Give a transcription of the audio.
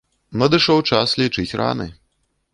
Надышоў час лічыць раны.